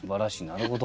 なるほど。